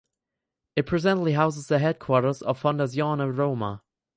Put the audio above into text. It presently houses the headquarters of Fondazione Roma.